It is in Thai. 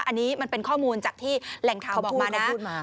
อันนี้มันเป็นข้อมูลจากที่แหล่งข่าวบอกมานะ